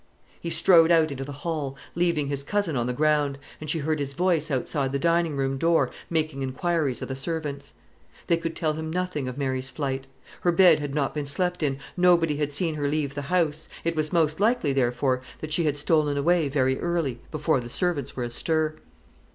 He strode out into the hall, leaving his cousin on the ground; and she heard his voice outside the dining room door making inquiries of the servants. They could tell him nothing of Mary's flight. Her bed had not been slept in; nobody had seen her leave the house; it was most likely, therefore, that she had stolen away very early, before the servants were astir.